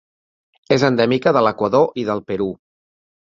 És endèmica de l'Equador i del Perú.